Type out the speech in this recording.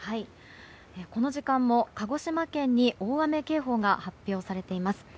この時間も鹿児島県に大雨警報が発表されています。